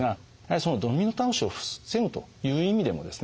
そのドミノ倒しを防ぐという意味でもですね